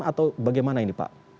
atau bagaimana ini pak